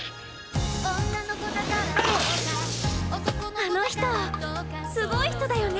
あの人すごい人だよね